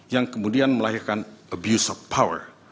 yang kemudian melahirkan abuse of power